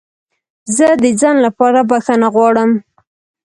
زه د ځنډ لپاره بخښنه غواړم.